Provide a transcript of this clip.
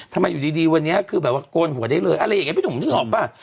ทำไมอยู่ดีวันนี้คือแบบว่าโกนหัวได้เลยอะไรอย่างนี้พี่หนุ่มนึกออกป่ะ